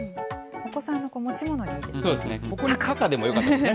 お子さんの持ち物にいいですね。